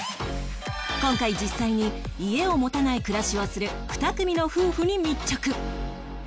今回実際に家を持たない暮らしをする２組の夫婦に密着